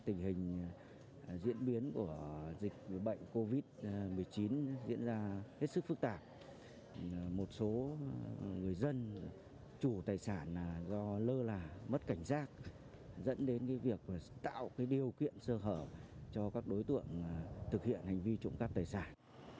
tình hình diễn biến của dịch bệnh covid một mươi chín diễn ra hết sức phức tạp một số người dân chủ tài sản do lơ là mất cảnh giác dẫn đến việc tạo điều kiện sơ hở cho các đối tượng thực hiện hành vi trộm cắp tài sản